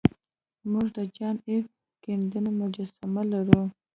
موږ د جان ایف کینیډي مجسمه لرو